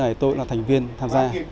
trong cuộc thi này tôi là thành viên tham gia